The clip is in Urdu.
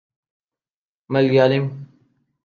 ملیالم